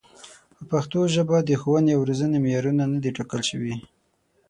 په پښتو ژبه د ښوونې او روزنې معیارونه نه دي ټاکل شوي.